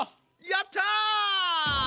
やった！